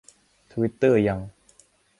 ทวิตเตอร์ยัง